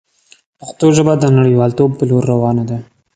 پښتو ژبه د نړیوالتوب په لور روانه ده.